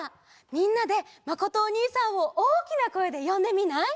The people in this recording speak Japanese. みんなでまことおにいさんをおおきなこえでよんでみない？